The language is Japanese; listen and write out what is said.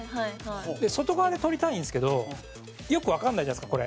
外側で撮りたいんですけどよくわかんないじゃないですかこれ。